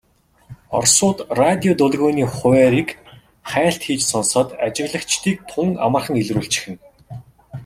Оросууд радио долгионы хуваарийг хайлт хийж сонсоод ажиглагчдыг тун амархан илрүүлчихнэ.